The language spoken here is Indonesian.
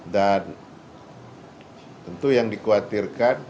dan tentu yang dikhawatirkan